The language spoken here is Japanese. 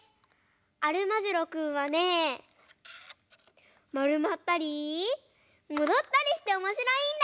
アルマジロくんはねまるまったりもどったりしておもしろいんだよ！